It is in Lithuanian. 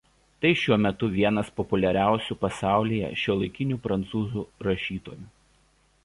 Tai šiuo metu vienas populiariausių pasaulyje šiuolaikinių prancūzų rašytojų.